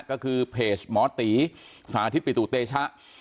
ก็คือเพจหมอตีสาธิตปิตุเตชะ